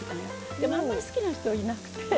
でもあんまり好きな人がいなくて。